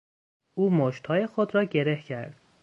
او مشتهای خود را گره کرد.